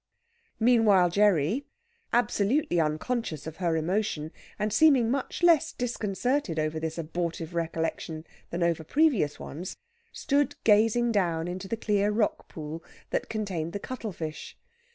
Meanwhile, Gerry, absolutely unconscious of her emotion, and seeming much less disconcerted over this abortive recollection than over previous ones, stood gazing down into the clear rock pool that contained the cuttlefish.